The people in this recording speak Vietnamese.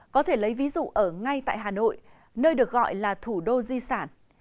có thể lấy ví dụ ở ngay tại hà nội nơi được gọi là thủ đô di sản